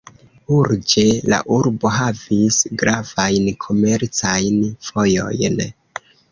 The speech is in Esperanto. Urĝe la urbo havis gravajn komercajn vojojn.